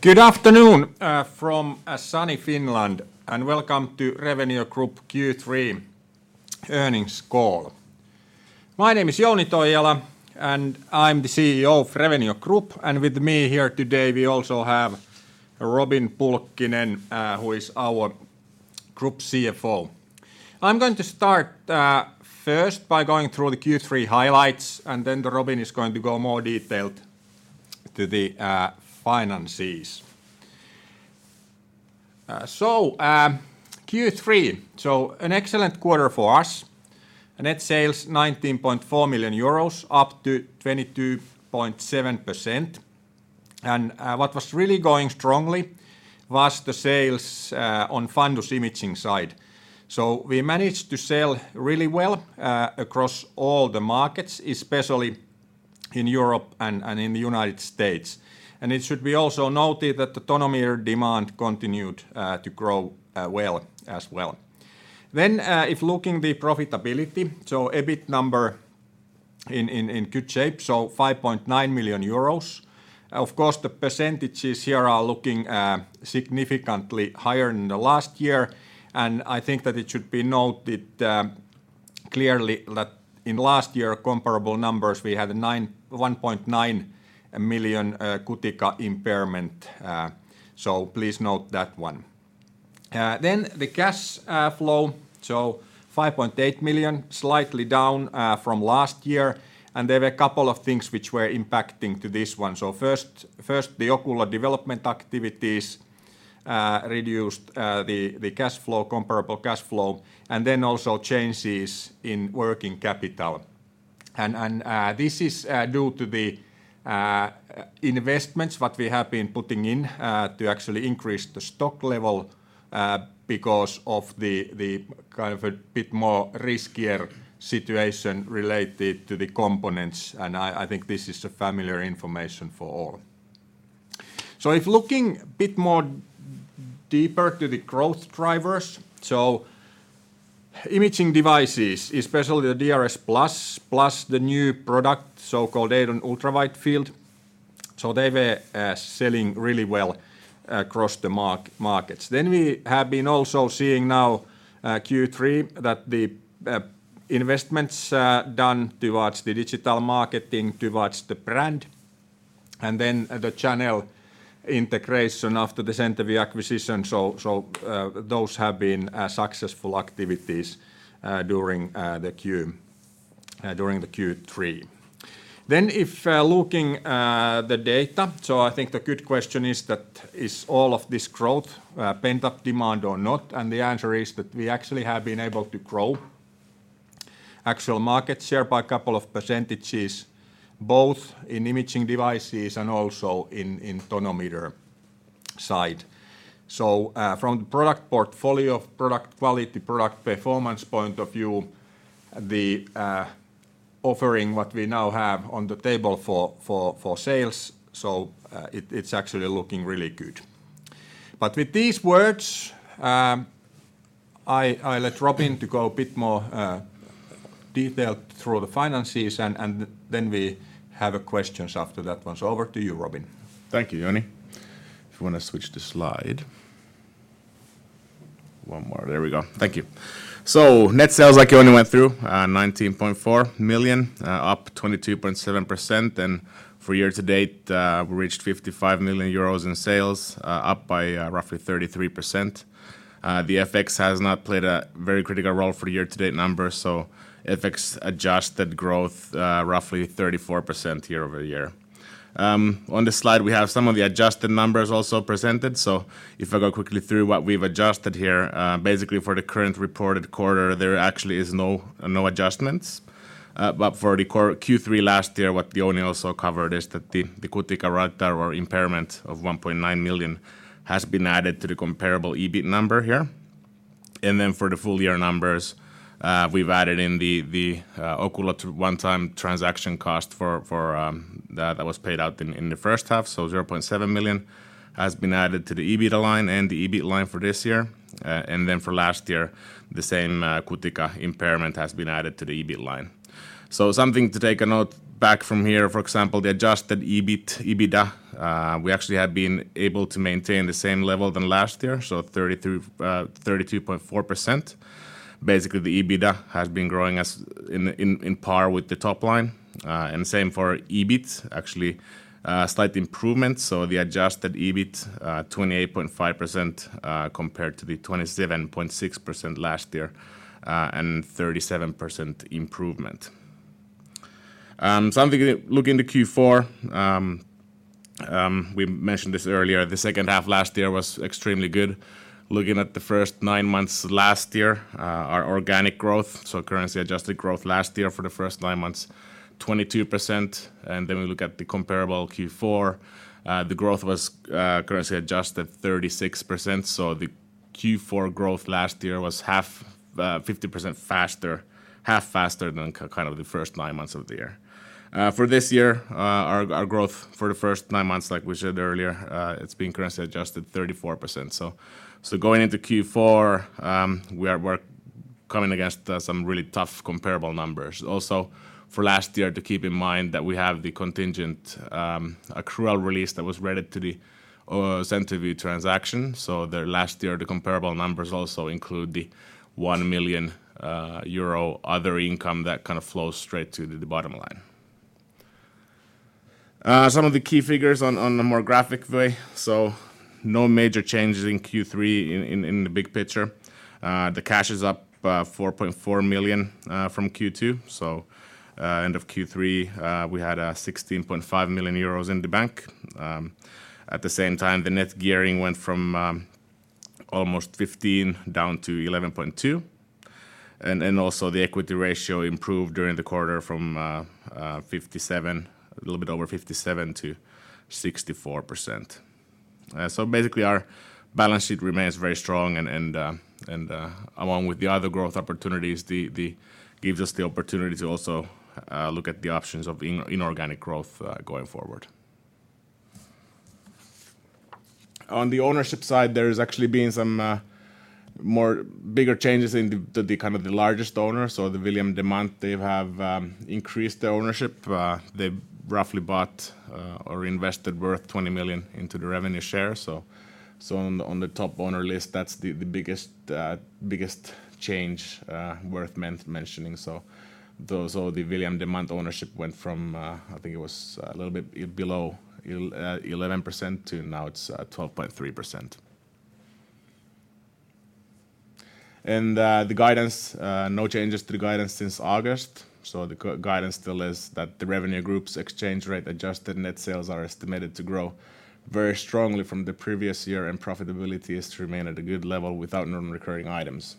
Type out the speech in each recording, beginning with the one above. Good afternoon from sunny Finland, welcome to Revenio Group Q3 earnings call. My name is Jouni Toijala, I'm the CEO of Revenio Group. With me here today, we also have Robin Pulkkinen, who is our group CFO. I'm going to start first by going through the Q3 highlights, then Robin is going to go more detailed to the finances. Q3, an excellent quarter for us. Net sales 19.4 million euros, up to 22.7%. What was really going strongly was the sales on fundus imaging side. We managed to sell really well across all the markets, especially in Europe and in the United States. It should be also noted that the tonometer demand continued to grow well as well. If looking the profitability, so EBIT number in good shape, so 5.9 million euros. The percentages here are looking significantly higher than the last year. I think that it should be noted clearly that in last year comparable numbers, we had 1.9 million Cutica impairment. Please note that one. The cash flow, 5.8 million, slightly down from last year. There were a couple of things which were impacting to this one. First, the Oculo development activities reduced the comparable cash flow, and also changes in working capital. This is due to the investments what we have been putting in to actually increase the stock level because of the kind of a bit more riskier situation related to the components, and I think this is a familiar information for all. If looking bit more deeper to the growth drivers, imaging devices, especially the iCare DRSplus, plus the new product, iCare EIDON UWF, they were selling really well across the markets. We have been also seeing now Q3 that the investments done towards the digital marketing, towards the brand, and the channel integration after the CenterVue acquisition. Those have been successful activities during the Q3. If looking the data, I think the good question is that is all of this growth pent-up demand or not? The answer is that we actually have been able to grow actual market share by a couple of percentages, both in imaging devices and also in tonometer side. From the product portfolio, product quality, product performance point of view, the offering what we now have on the table for sales, it's actually looking really good. With these words, I let Robin to go a bit more detailed through the finances, we have questions after that one. Over to you, Robin. Thank you, Jouni. If you want to switch the slide. One more. There we go. Thank you. Net sales, like Jouni went through, 19.4 million, up 22.7%. For year-to-date, we reached 55 million euros in sales, up by roughly 33%. The FX has not played a very critical role for the year-to-date numbers, so FX-adjusted growth roughly 34% year-over-year. On this slide, we have some of the adjusted numbers also presented. If I go quickly through what we've adjusted here, basically for the current reported quarter, there actually is no adjustments. For the Q3 last year, what Jouni also covered is that the Cutica write-down or impairment of 1.9 million has been added to the comparable EBIT number here. Then for the full year numbers, we've added in the Oculo one-time transaction cost that was paid out in the first half, so 0.7 million has been added to the EBITA line and the EBIT line for this year. Then for last year, the same Cutica impairment has been added to the EBIT line. Something to take a note back from here, for example, the adjusted EBIT, EBITA, we actually have been able to maintain the same level than last year, so 32.4%. Basically, the EBITA has been growing in par with the top line. Same for EBIT, actually a slight improvement, so the adjusted EBIT 28.5% compared to the 27.6% last year, and 37% improvement. Something looking to Q4, we mentioned this earlier, the second half last year was extremely good. Looking at the first 9 months last year, our organic growth, so currency-adjusted growth last year for the first 9 months, 22%. We look at the comparable Q4, the growth was currency adjusted 36%, so the Q4 growth last year was 50% faster, half faster than kind of the first 9 months of the year. For this year, our growth for the first 9 months, like we said earlier, it's been currency adjusted 34%. Going into Q4, we are coming against some really tough comparable numbers. For last year, to keep in mind that we have the contingent accrual release that was related to the CenterVue transaction. Last year, the comparable numbers also include the 1 million euro other income that kind of flows straight to the bottom line. Some of the key figures on a more graphic way. No major changes in Q3 in the big picture. The cash is up 4.4 million from Q2. End of Q3, we had 16.5 million euros in the bank. At the same time, the net gearing went from almost 15 down to 11.2. Also the equity ratio improved during the quarter from a little bit over 57% to 64%. Basically, our balance sheet remains very strong and along with the other growth opportunities, gives us the opportunity to also look at the options of inorganic growth going forward. On the ownership side, there has actually been some more bigger changes in the largest owners. The William Demant, they have increased their ownership. They've roughly bought or invested worth 20 million into the Revenio share. On the top owner list, that's the biggest change worth mentioning. The William Demant ownership went from, I think it was a little bit below 11% to now it's 12.3%. The guidance, no changes to the guidance since August. The guidance still is that the Revenio Group's exchange rate adjusted net sales are estimated to grow very strongly from the previous year, and profitability is to remain at a good level without non-recurring items.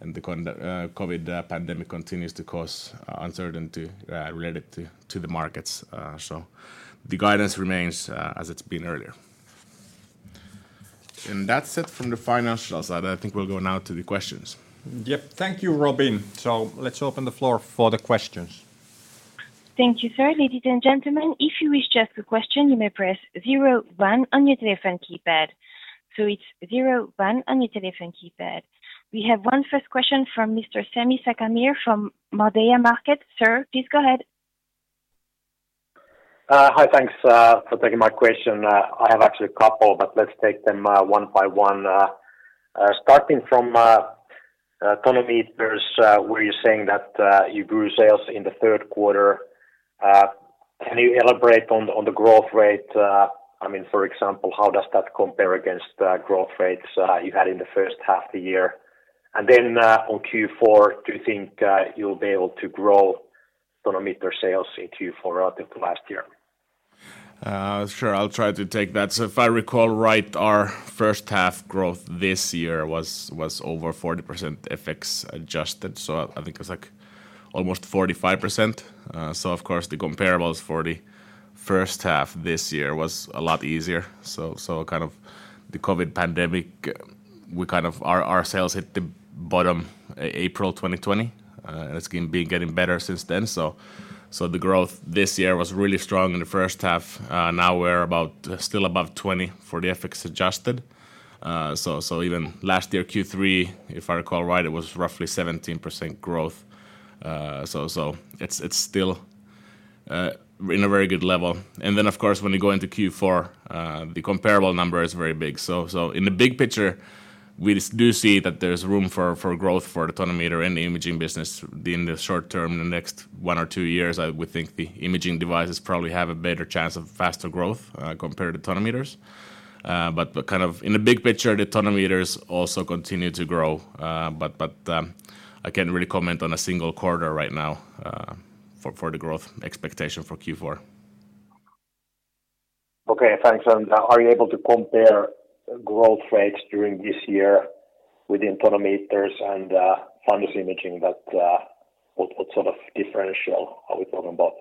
The COVID pandemic continues to cause uncertainty related to the markets. The guidance remains as it's been earlier. That's it from the financial side. I think we'll go now to the questions. Yep. Thank you, Robin. Let's open the floor for the questions. Thank you, sir. Ladies and gentlemen, if you wish to ask a question, you may press zero one on your telephone keypad. It's zero one on your telephone keypad. We have one first question from Mr. Sami Sarkamies from Nordea Markets. Sir, please go ahead. Hi. Thanks for taking my question. I have actually a couple, but let's take them one by one. Starting from tonometers, where you're saying that you grew sales in the third quarter. Can you elaborate on the growth rate? For example, how does that compare against growth rates you had in the first half of the year? On Q4, do you think you'll be able to grow tonometer sales in Q4 relative to last year? Sure, I'll try to take that. If I recall right, our first half growth this year was over 40% FX adjusted. I think it was almost 45%. Of course, the comparables for the first half this year was a lot easier. Kind of the COVID pandemic, our sales hit the bottom April 2020, and it's been getting better since then. The growth this year was really strong in the first half. Now we're still above 20 for the FX adjusted. Even last year Q3, if I recall right, it was roughly 17% growth. It's still in a very good level. Of course, when you go into Q4, the comparable number is very big. In the big picture, we do see that there's room for growth for the tonometer and the imaging business in the short term. In the next 1 or 2 years, I would think the imaging devices probably have a better chance of faster growth compared to tonometers. Kind of in the big picture, the tonometers also continue to grow. I can't really comment on a single quarter right now for the growth expectation for Q4. Okay, thanks. Are you able to compare growth rates during this year within tonometers and fundus imaging that what sort of differential are we talking about?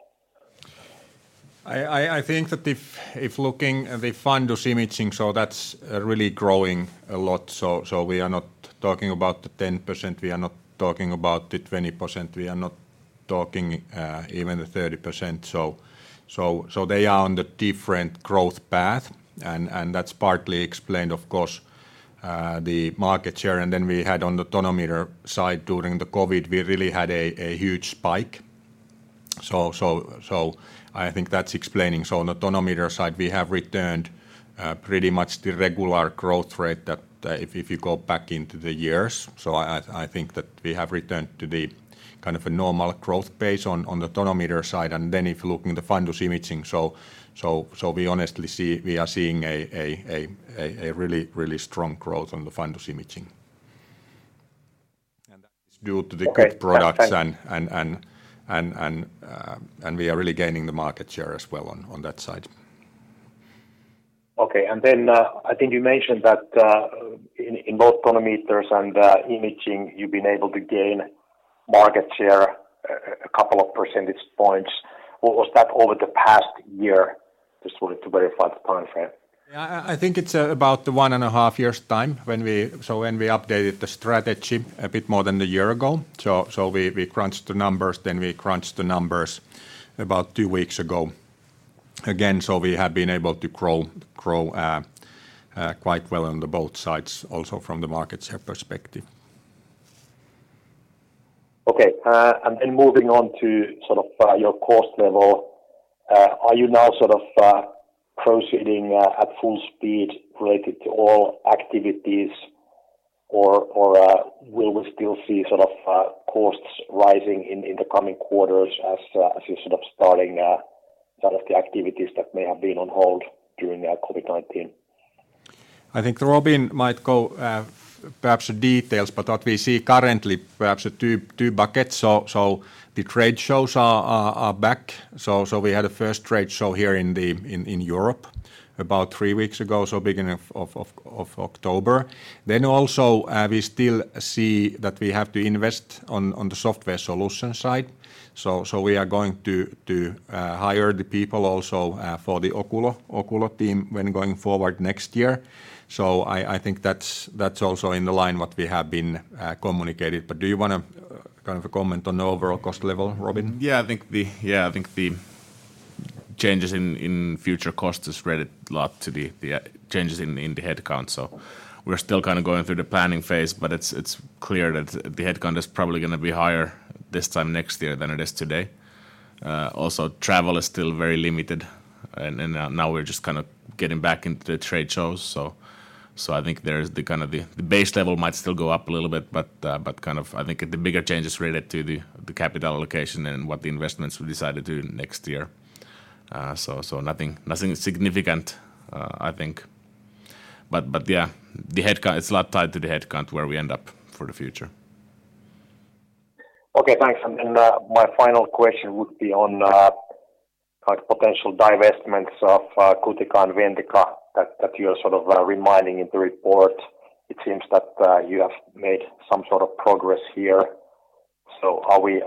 I think that if looking at the fundus imaging, that's really growing a lot. We are not talking about the 10%, we are not talking about the 20%, we are not talking even the 30%. They are on the different growth path, and that's partly explained, of course, the market share. Then we had on the tonometer side during the COVID, we really had a huge spike. I think that's explaining. On the tonometer side, we have returned pretty much the regular growth rate that if you go back into the years. I think that we have returned to the kind of a normal growth pace on the tonometer side. Then if looking at the fundus imaging, we are seeing a really, really strong growth on the fundus imaging. That is due to the good products and we are really gaining the market share as well on that side. Okay. I think you mentioned that in both tonometers and imaging, you've been able to gain market share, a couple of percentage points. Was that over the past year? Just wanted to verify the time frame. I think it's about the one and a half years' time. When we updated the strategy a bit more than a year ago, we crunched the numbers, we crunched the numbers about 2 weeks ago. Again, we have been able to grow quite well on both sides, also from the market share perspective. Okay. Moving on to your cost level. Are you now proceeding at full speed related to all activities, or will we still see costs rising in the coming quarters as you're starting the activities that may have been on hold during COVID-19? I think Robin might go perhaps the details, but what we see currently, perhaps two buckets. The trade shows are back. We had a first trade show here in Europe about three weeks ago, so beginning of October. Also, we still see that we have to invest on the software solution side. We are going to hire the people also for the Oculo team when going forward next year. I think that's also in the line what we have been communicating. Do you want to comment on the overall cost level, Robin? Yeah, I think the changes in future costs is related a lot to the changes in the headcount. We're still going through the planning phase, but it's clear that the headcount is probably going to be higher this time next year than it is today. Also, travel is still very limited, and now we're just getting back into the trade shows. I think there's the base level might still go up a little bit, but I think the bigger change is related to the capital allocation and what the investments we've decided to next year. Nothing significant, I think. Yeah, it's a lot tied to the headcount where we end up for the future. Okay, thanks. My final question would be on potential divestments of Cutica and Ventica that you are reminding in the report. It seems that you have made some sort of progress here. Are we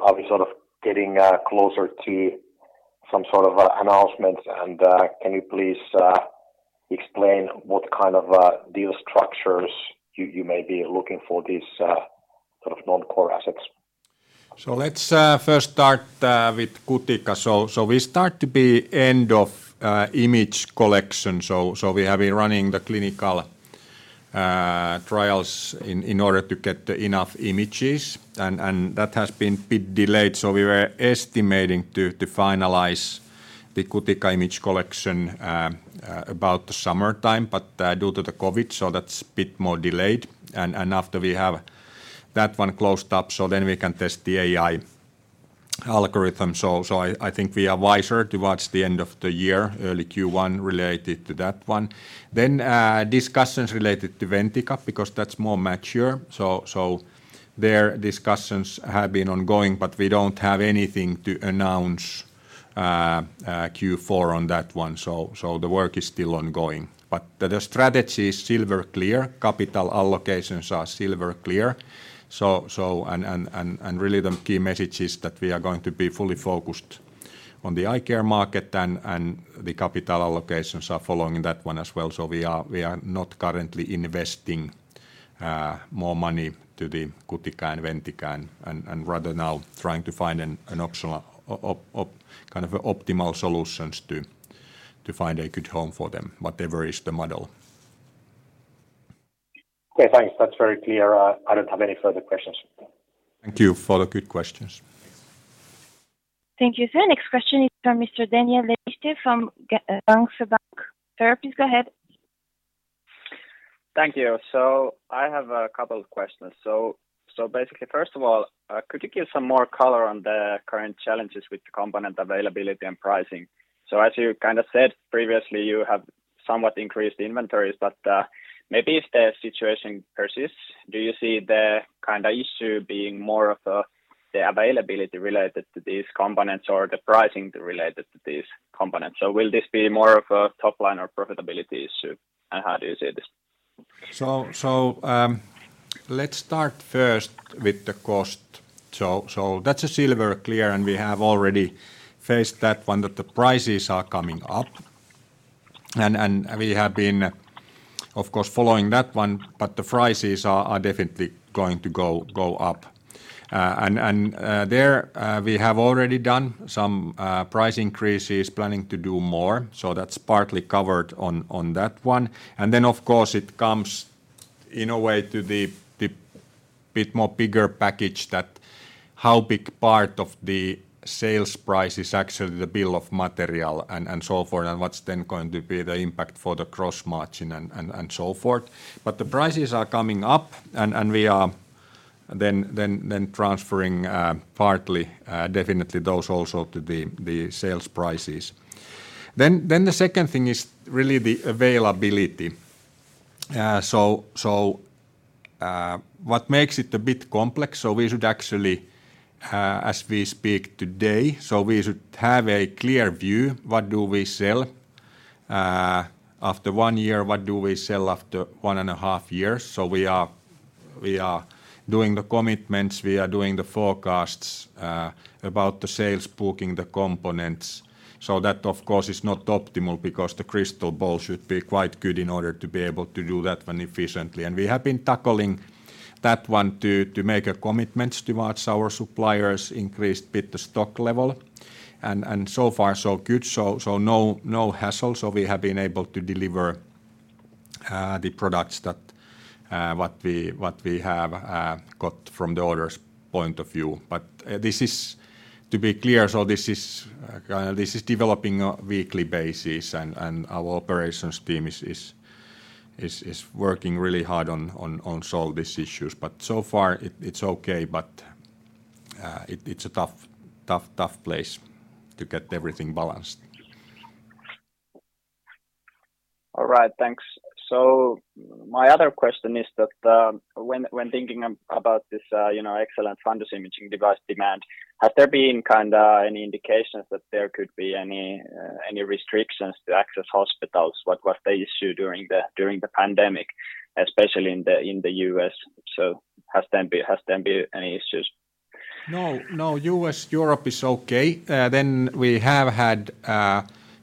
getting closer to some sort of announcement, and can you please explain what kind of deal structures you may be looking for these non-core assets? Let's first start with Cutica. We start to be end of image collection. We have been running the clinical trials in order to get enough images. That has been bit delayed, so we were estimating to finalize the Cutica image collection about the summertime, but due to the COVID-19, so that's a bit more delayed. After we have that one closed up, so then we can test the AI algorithm. I think we are wiser towards the end of the year, early Q1 related to that one. Discussions related to Ventica, because that's more mature. There discussions have been ongoing, but we don't have anything to announce Q4 on that one. The work is still ongoing, but the strategy is still very clear. Capital allocations are still very clear. Really the key message is that we are going to be fully focused on the eye care market, and the capital allocations are following that one as well. We are not currently investing more money to the Cutica and Ventica, and rather now trying to find an optimal solutions to find a good home for them, whatever is the model. Okay, thanks. That's very clear. I don't have any further questions. Thank you for the good questions. Thank you, sir. Next question is from Mr. Daniel Lepistö from Nordea Bank. Sir, please go ahead. Thank you. I have a couple of questions. Basically, first of all, could you give some more color on the current challenges with the component availability and pricing? As you said previously, you have somewhat increased inventories, but maybe if the situation persists, do you see the kind of issue being more of the availability related to these components or the pricing related to these components? Will this be more of a top line or profitability issue? How do you see this? Let's start first with the cost. That's still very clear, and we have already faced that one that the prices are coming up. We have been, of course, following that one, but the prices are definitely going to go up. There we have already done some price increases, planning to do more. That's partly covered on that one. Then, of course, it comes in a way to the bit more bigger package that how big part of the sales price is actually the bill of material and so forth, and what's then going to be the impact for the gross margin and so forth. The prices are coming up, and we are then transferring partly, definitely those also to the sales prices. The second thing is really the availability. What makes it a bit complex, we should actually, as we speak today, we should have a clear view what do we sell after 1 year, what do we sell after 1 and a half years. We are doing the commitments. We are doing the forecasts about the sales booking the components. That, of course, is not optimal because the crystal ball should be quite good in order to be able to do that 1 efficiently. We have been tackling that 1 to make a commitment towards our suppliers, increased a bit the stock level, and so far so good. No hassle. We have been able to deliver the products that we have got from the orders point of view. To be clear, this is developing on a weekly basis and our operations team is working really hard on solving these issues. So far it's okay, but it's a tough place to get everything balanced. All right. Thanks. My other question is that when thinking about this excellent fundus imaging device demand, has there been any indications that there could be any restrictions to access hospitals, like they issued during the pandemic, especially in the U.S.? Has there been any issues? No. U.S., Europe is okay. We have had,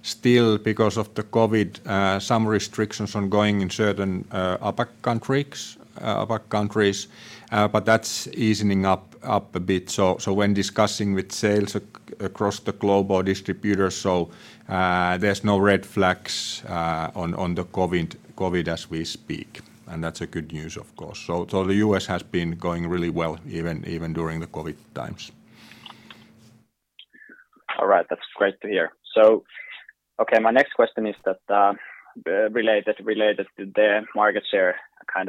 still because of the COVID, some restrictions on going in certain APAC countries, but that's easing up a bit. When discussing with sales across the global distributors, there's no red flags on the COVID as we speak, and that's a good news, of course. The U.S. has been going really well even during the COVID times. All right. That's great to hear. Okay, my next question is related to the market share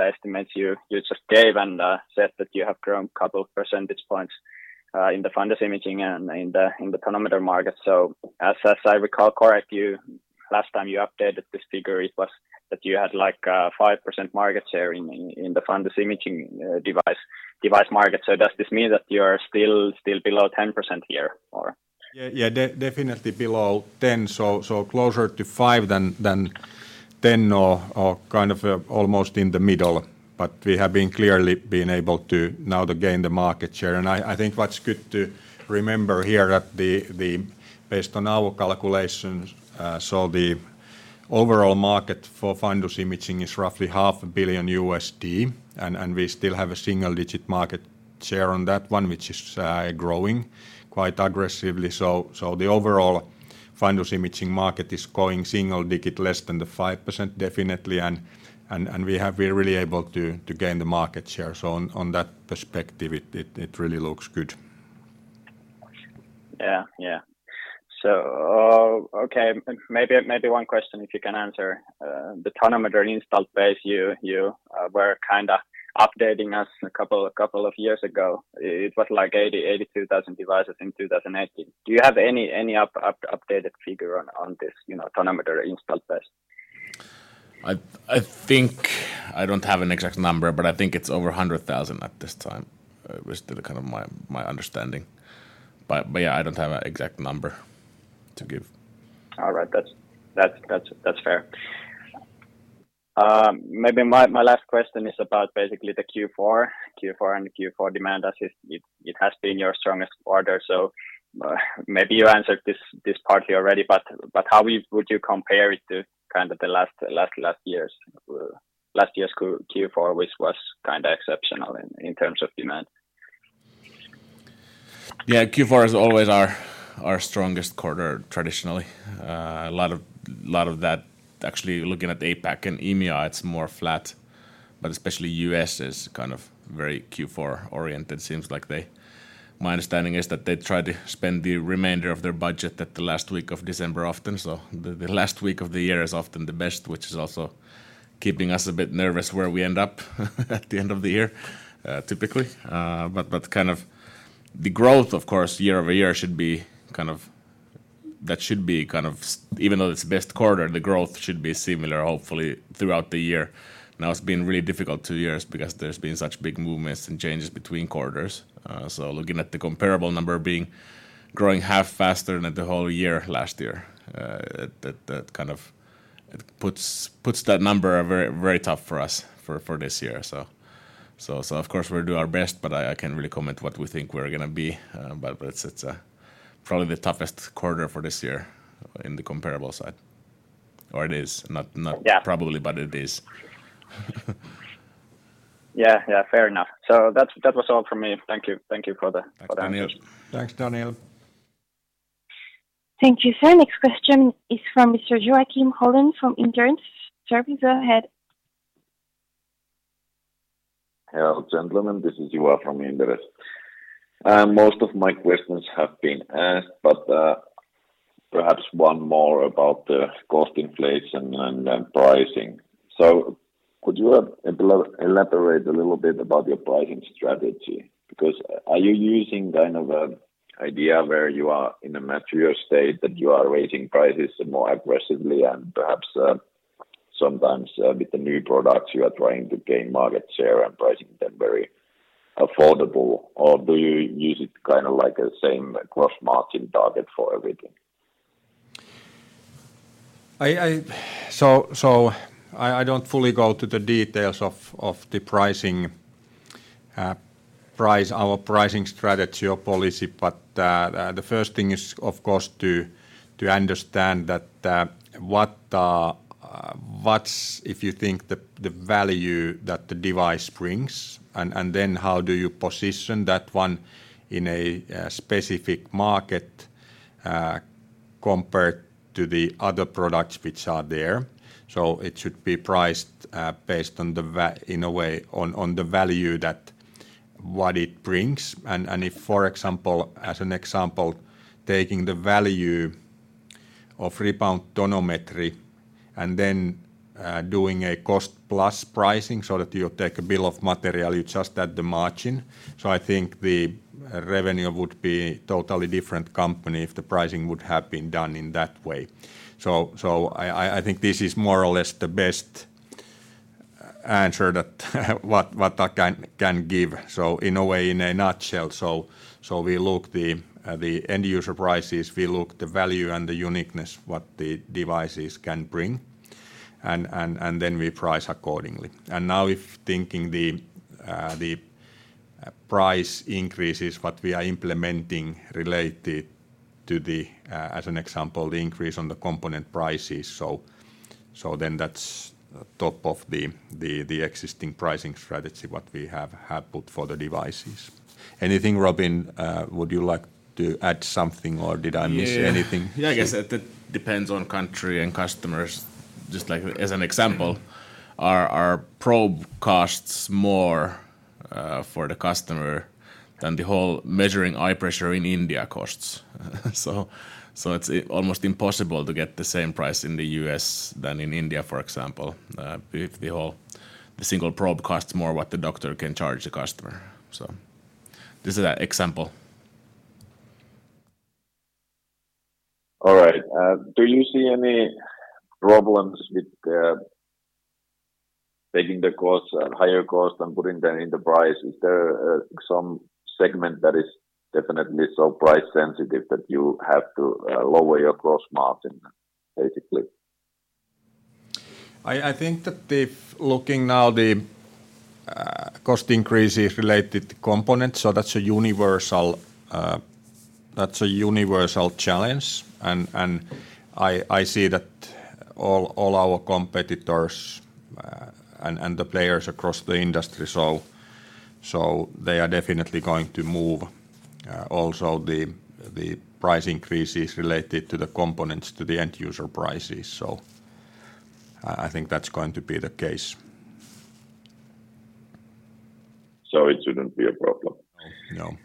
estimates you just gave and said that you have grown a couple percentage points in the fundus imaging and in the tonometer market. As I recall correctly, last time you updated this figure, it was that you had 5% market share in the fundus imaging device market. Does this mean that you're still below 10% here? Definitely below 10. Closer to 5 than 10 or almost in the middle. We have clearly been able to now gain the market share. I think what's good to remember here, based on our calculations, the overall market for fundus imaging is roughly half a billion USD, and we still have a single-digit market share on that one, which is growing quite aggressively. The overall fundus imaging market is going single digit, less than the 5%, definitely, and we have been really able to gain the market share. On that perspective, it really looks good. Yeah. Okay, maybe one question if you can answer. The tonometer installed base, you were updating us a couple of years ago. It was 82,000 devices in 2018. Do you have any updated figure on this tonometer installed base? I don't have an exact number, but I think it's over 100,000 at this time. It was still my understanding. I don't have an exact number to give. All right. That's fair. Maybe my last question is about basically the Q4 and the Q4 demand, as it has been your strongest quarter. Maybe you answered this partly already, but how would you compare it to last year's Q4, which was exceptional in terms of demand? Yeah, Q4 is always our strongest quarter traditionally. A lot of that, actually, looking at the APAC and EMEA, it's more flat. Especially U.S. is very Q4-oriented. My understanding is that they try to spend the remainder of their budget at the last week of December often, the last week of the year is often the best, which is also keeping us a bit nervous where we end up at the end of the year, typically. The growth, of course, year-over-year, even though it's the best quarter, the growth should be similar, hopefully, throughout the year. It's been a really difficult two years because there's been such big movements and changes between quarters. Looking at the comparable number growing half faster than the whole year last year, that puts that number very tough for us for this year. Of course, we'll do our best, but I can't really comment what we think we're going to be. It's probably the toughest quarter for this year in the comparable side. It is. Not probably, but it is. Yeah. Fair enough. That was all from me. Thank you for the answers. Thanks, Daniel. Thank you, sir. Next question is from Mr. Juha Kinnunen from Inderes. Sir, please go ahead. Hello, gentlemen. This is Juha from Inderes. Most of my questions have been asked, but perhaps one more about the cost inflation and pricing. Could you elaborate a little bit about your pricing strategy? Are you using an idea where you are in a mature state that you are raising prices more aggressively and perhaps sometimes with the new products you are trying to gain market share and pricing them very affordable, or do you use it like a same gross margin target for everything? I don't fully go to the details of the pricing. Our pricing strategy or policy, but the first thing is, of course, to understand what's the value that the device brings, and then how do you position that one in a specific market compared to the other products which are there. It should be priced based on the value that it brings. As an example, taking the value of rebound tonometry and then doing a cost-plus pricing so that you take a bill of material, you just add the margin. I think the Revenio Group would be a totally different company if the pricing had been done in that way. I think this is more or less the best answer that I can give. In a way, in a nutshell, we look at the end user prices, we look at the value and the uniqueness that the devices can bring, and then we price accordingly. Now if thinking the price increases that we are implementing related to the, as an example, the increase on the component prices. That's top of the existing pricing strategy that we have put for the devices. Anything, Robin, would you like to add something, or did I miss anything? I guess that depends on country and customers. Just as an example, our probe costs more for the customer than the whole measuring eye pressure in India costs. It's almost impossible to get the same price in the U.S. than in India, for example. The single probe costs more than what the doctor can charge the customer. This is an example. All right. Do you see any problems with taking the higher cost and putting them in the price? Is there some segment that is definitely so price sensitive that you have to lower your gross margin, basically? I think that if looking now at the cost increases related to components, that's a universal challenge. I see that all our competitors and the players across the industry, they are definitely going to move also the price increases related to the components to the end user prices. I think that's going to be the case. it shouldn't be a problem. No.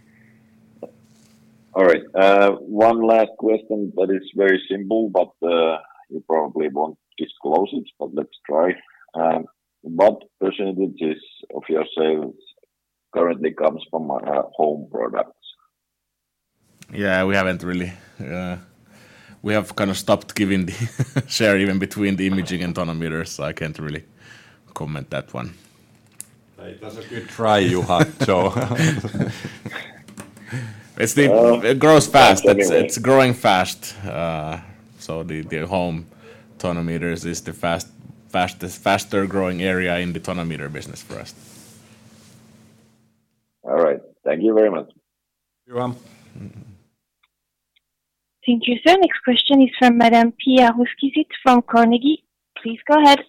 All right. One last question that is very simple, but you probably won't disclose it, but let's try. What percentages of your sales currently comes from home products? Yeah, we have kind of stopped giving the share even between the imaging and tonometers. I can't really comment on that one. It was a good try, Juha. It grows fast. It's growing fast. The home tonometers is the faster-growing area in the tonometer business for us. All right. Thank you very much. Thank you. You're welcome. Thank you, sir. Next question is from Madam Pia Rosqvist-Heinsalmi from Carnegie. Please go ahead.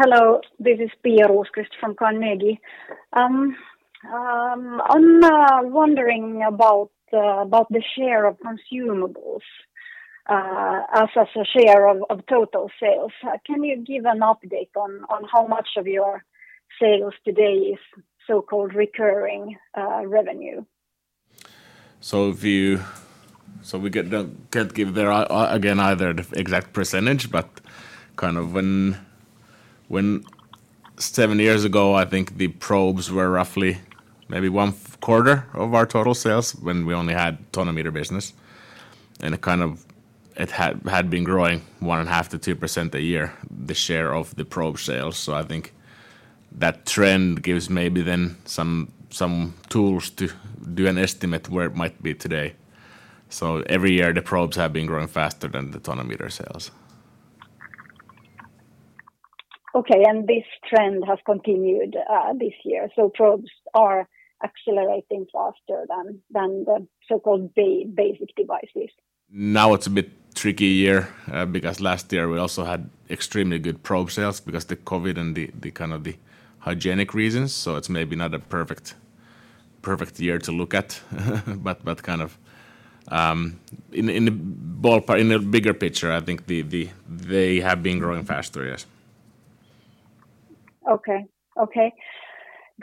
Hello, this is Pia Rosqvist-Heinsalmi from Carnegie. I'm wondering about the share of consumables as a share of total sales. Can you give an update on how much of your sales today is so-called recurring revenue? We can't give there, again, either the exact percentage, but seven years ago, I think the probes were roughly maybe one-quarter of our total sales when we only had tonometer business, and it had been growing 1.5% to 2% a year, the share of the probe sales. I think that trend gives maybe then some tools to do an estimate where it might be today. Every year, the probes have been growing faster than the tonometer sales. Okay, this trend has continued this year. Probes are accelerating faster than the so-called basic devices. Now it's a bit tricky year because last year we also had extremely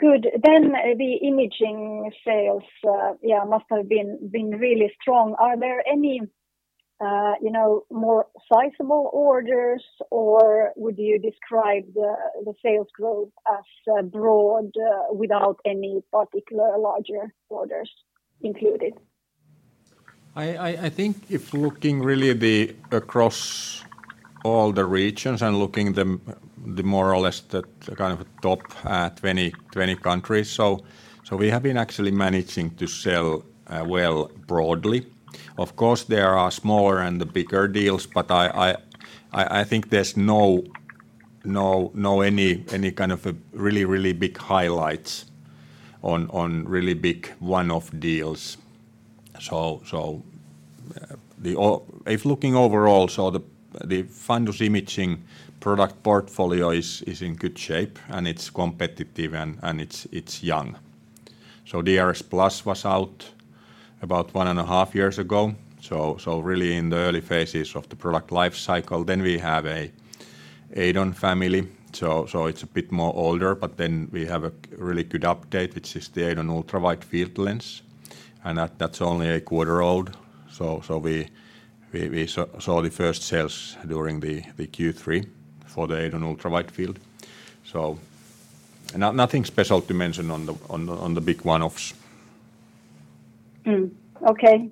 good probe sales because of the COVID and the hygienic reasons. It's maybe not a perfect year to look at, but in the bigger picture, I think they have been growing faster, yes. Okay. Good. The imaging sales must have been really strong. Are there any more sizable orders, or would you describe the sales growth as broad without any particular larger orders included? I think if looking really across all the regions and looking more or less at the top 20 countries, we have been actually managing to sell well broadly. Of course, there are smaller and bigger deals, but I think there's not any kind of really big highlights on really big one-off deals. If looking overall, the fundus imaging product portfolio is in good shape, and it's competitive and it's young. DRSplus was out about one and a half years ago. Really in the early phases of the product life cycle. We have an EIDON Family, it's a bit more older, we have a really good update, which is the EIDON UWF Module, that's only a quarter old. We saw the first sales during the Q3 for the EIDON UWF. Nothing special to mention on the big one-offs. Okay.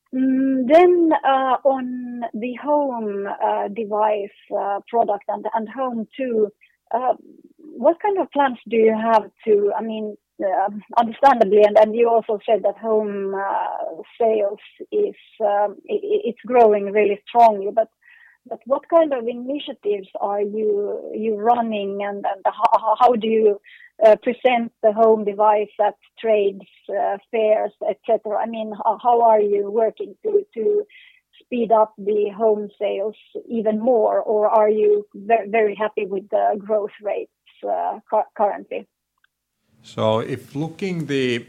On the home device product and iCare HOME2, what kind of plans do you have understandably, and you also said that home sales is growing really strongly? What kind of initiatives are you running and how do you present the home device at trade fairs, et cetera? How are you working to speed up the home sales even more, or are you very happy with the growth rates currently? If looking the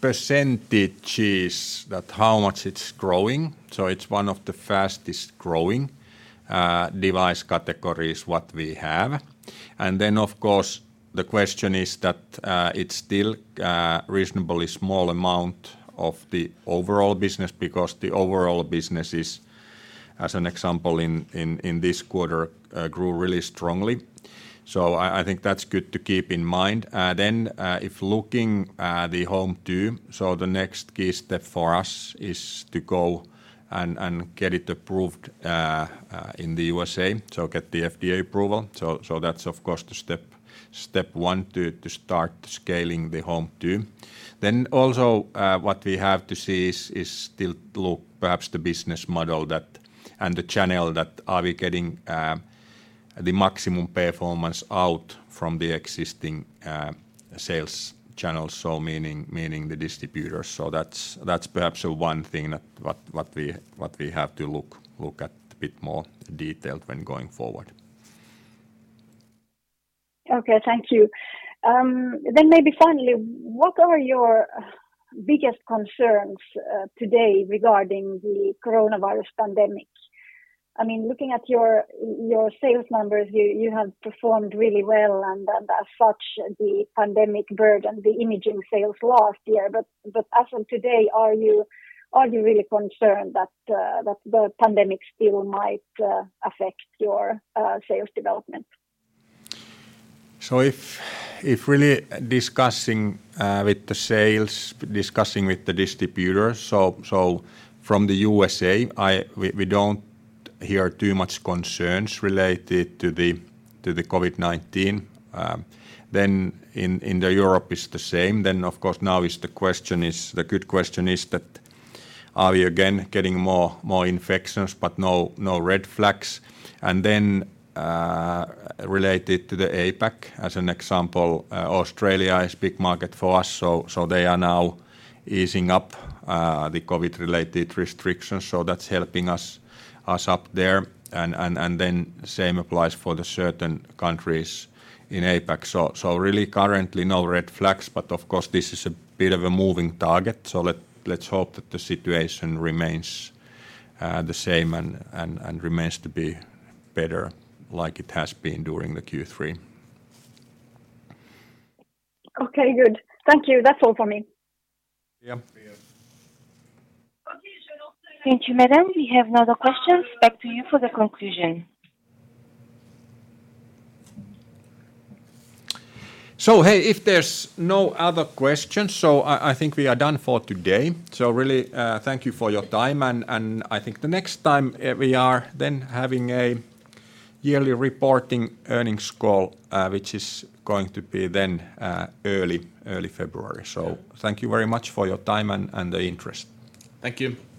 percentages that how much it's growing, it's one of the fastest-growing device categories, what we have. Of course, the question is that it's still a reasonably small amount of the overall business because the overall business, as an example in this quarter, grew really strongly. I think that's good to keep in mind. If looking the Home2, the next key step for us is to go and get it approved in the U.S.A., get the FDA approval. That's of course the step one to start scaling the Home2. Also what we have to see is still look perhaps the business model that and the channel that are we getting the maximum performance out from the existing sales channels, meaning the distributors. That's perhaps one thing that what we have to look at a bit more detailed when going forward. Okay. Thank you. Maybe finally, what are your biggest concerns today regarding the coronavirus pandemic? Looking at your sales numbers, you have performed really well, and as such, the pandemic burdened the imaging sales last year. As of today, are you really concerned that the pandemic still might affect your sales development? If really discussing with the sales, discussing with the distributors, from the USA, we don't hear too much concerns related to the COVID-19. In the Europe is the same. Of course, now the good question is that are we again getting more infections, but no red flags. Related to the APAC, as an example, Australia is big market for us, they are now easing up the COVID-related restrictions, that's helping us up there. Same applies for the certain countries in APAC. Really currently no red flags, but of course, this is a bit of a moving target, let's hope that the situation remains the same and remains to be better like it has been during the Q3. Okay, good. Thank you. That's all for me. Yeah. Thank you, madam. We have no other questions. Back to you for the conclusion. Hey, if there's no other questions, so I think we are done for today. Really, thank you for your time, and I think the next time we are then having a yearly reporting earnings call, which is going to be then early February. Thank you very much for your time and the interest. Thank you.